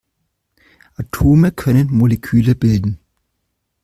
Atome können Moleküle bilden.